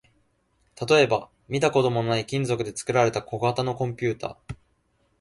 例えば、見たこともない金属で作られた小型のコンピュータ